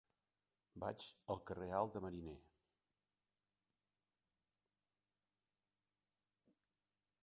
Vaig al carrer Alt de Mariner.